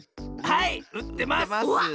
はいうってます！